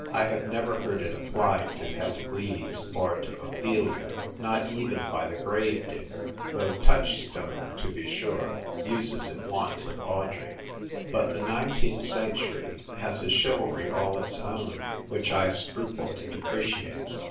I have never heard it applied to Heloise or to Ophelia — not even by the grave digger ; though Touchstone, to be sure, uses it once of Audrey. But the nineteenth 32 THE TYrE WRITER GIRL, century has a chivalry all its own, which I scruple to depreciate.